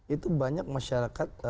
itu banyak masyarakat